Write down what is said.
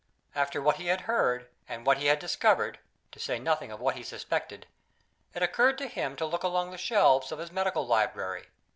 After what he had heard, and what he had discovered (to say nothing of what he suspected), it occurred to him to look along the shelves of his medical library.